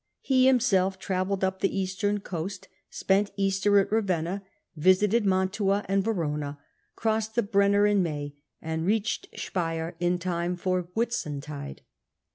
He himself travelled up the eastern coast, spent Easter at Ravenna, visited Mantua and Verona, crossed the Brenner in May, and reached Speier in time for Whitsuntide.